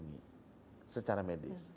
penting secara medis melindungi